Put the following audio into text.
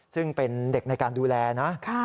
ซึ่งเป็นเด็กในการดูแลนะ